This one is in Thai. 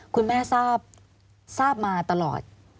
คุณแม่ทราบมาตลอด